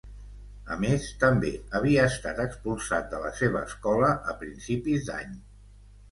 A més, també havia estat expulsat de la seva escola a principis d'any.